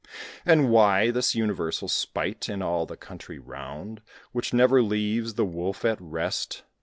And why this universal spite, In all the country round, Which never leaves the Wolf at rest?